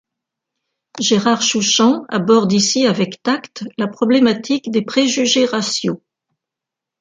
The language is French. Gérard Chouchan aborde ici avec tact la problématique des préjugés raciaux.